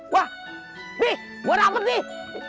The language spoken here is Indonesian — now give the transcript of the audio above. wah nih gue dapet nih